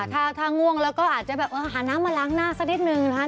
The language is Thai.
ถ้าง่วงแล้วก็อาจจะแบบหาน้ำมาล้างหน้าสักนิดนึงนะคะ